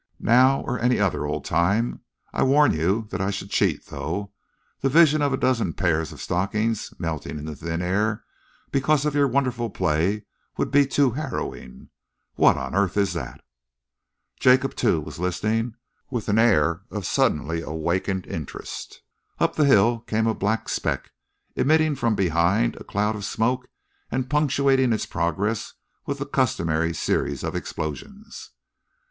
"Now or any other old time! I warn you that I should cheat, though. The vision of a dozen pairs of stockings melting into thin air because of your wonderful play would be too harrowing. What on earth is that?" Jacob, too, was listening with an air of suddenly awakened interest. Up the hill came a black speck, emitting from behind a cloud of smoke and punctuating its progress with the customary series of explosions.